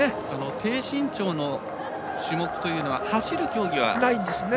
低身長の種目というのは走る競技はないんですね。